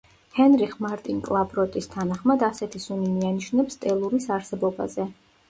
ჰენრიხ მარტინ კლაპროტის თანახმად, ასეთი სუნი მიანიშნებს ტელურის არსებობაზე.